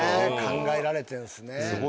考えられてんすね。